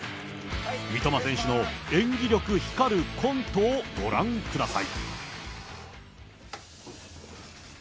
三笘選手の演技力光るコントをご覧ください。